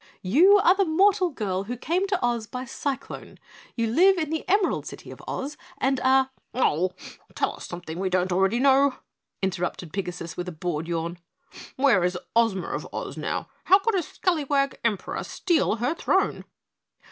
"You are the mortal girl who came to Oz by cyclone. You live in the Emerald City of Oz and are " "Oh, tell us something we don't already know," interrupted Pigasus with a bored yawn. "Where is Ozma of Oz now how could a scalawag Emperor steal her throne?"